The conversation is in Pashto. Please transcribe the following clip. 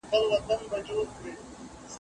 د سرمايې مؤلديت نسبتاً ټيټ پاته شو.